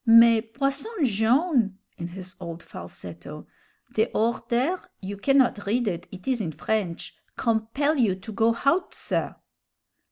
"Mais, Posson Jone'!" in his old falsetto "de order you cannot read it, it is in French compel you to go hout, sir!"